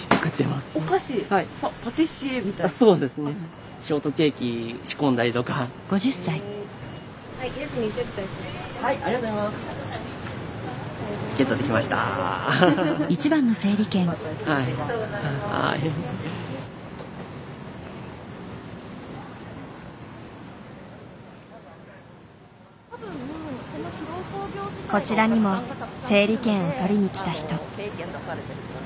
こちらにも整理券を取りにきた人。